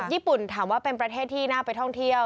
ญี่ปุ่นถามว่าเป็นประเทศที่น่าไปท่องเที่ยว